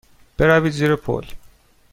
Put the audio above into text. بروید زیر پل.